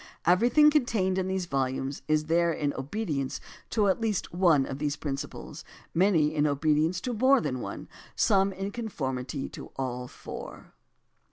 Everything con tained in these volimies is there in obedience to one at least of these principles, many in obedience to more than one, some in conformity to all four.